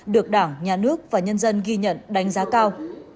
được đảng nhà nước và nhân dân ghi nhận đánh giá cao